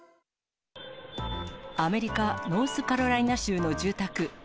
アメリカ・ノースカロライナ州の住宅。